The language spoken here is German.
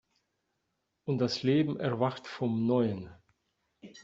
Und das Leben erwacht vom Neuen.